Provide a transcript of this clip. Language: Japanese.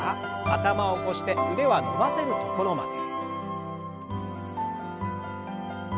頭を起こして腕は伸ばせるところまで。